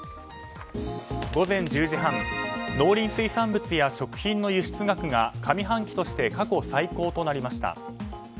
午前１０時半農林水産物や食品の輸出額が上半期として過去最高となりました。